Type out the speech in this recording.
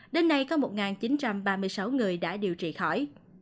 đến nay có một chín trăm ba mươi sáu người đã điều trị khỏi